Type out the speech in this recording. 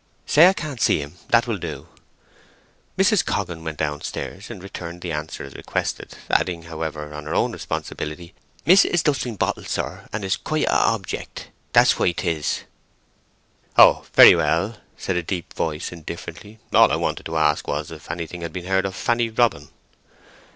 "Say I can't see him—that will do." Mrs. Coggan went downstairs, and returned the answer as requested, adding, however, on her own responsibility, "Miss is dusting bottles, sir, and is quite a object—that's why 'tis." "Oh, very well," said the deep voice indifferently. "All I wanted to ask was, if anything had been heard of Fanny Robin?"